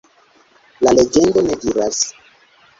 La legendo ne diras.